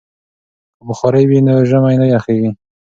که بخارۍ وي نو ژمی نه یخیږي.